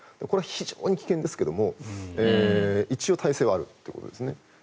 これは非常に危険ですけれど一応体制はあるということですね。